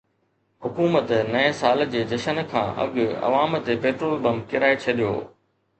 حڪومت نئين سال جي جشن کان اڳ عوام تي پيٽرول بم ڪيرائي ڇڏيو